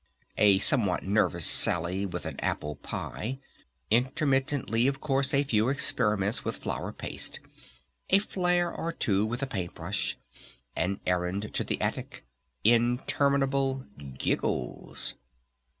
A somewhat nervous sally with an apple pie! Intermittently, of course, a few experiments with flour paste! A flaire or two with a paint brush! An errand to the attic! Interminable giggles!